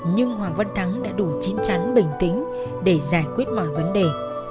nhưng hoàng văn thắng đã đủ chín chắn bình tĩnh để giải quyết mọi vấn đề